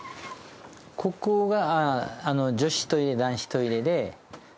ここが女子トイレ男子トイレで。